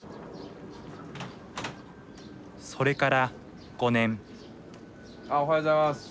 それから５年あっおはようございます。